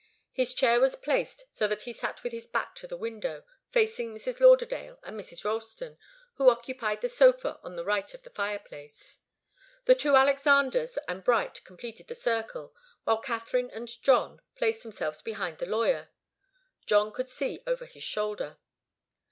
His chair was placed so that he sat with his back to the window, facing Mrs. Lauderdale and Mrs. Ralston, who occupied the sofa on the right of the fireplace. The two Alexanders and Bright completed the circle, while Katharine and John placed themselves behind the lawyer. John could see over his shoulder.